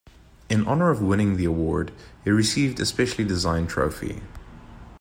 In honor of winning the award, he received a specially-designed trophy.